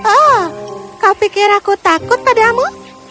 oh kau pikir aku takut padamu